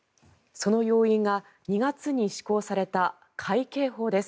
その要因が２月に施行された海警法です。